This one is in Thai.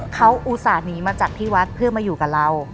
เขาอุตส่าห์หนีมาจากที่วัดเพื่อมาอยู่กับเรา